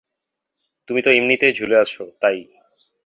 তুমি তো এমনিতেই ঝুলে আছ, তাই।